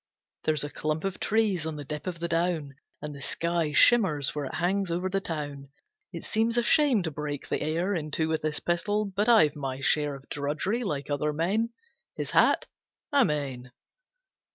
There's a clump of trees on the dip of the down, And the sky shimmers where it hangs over the town. It seems a shame to break the air In two with this pistol, but I've my share Of drudgery like other men. His hat? Amen!